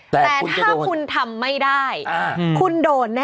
แต่ถ้าคุณทำไม่ได้คุณโดนแน่